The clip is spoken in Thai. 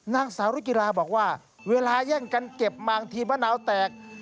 นางสาวรุกีฬาบอกว่าเวลาแย่งกันเก็บมาบางทีมะนาวแตก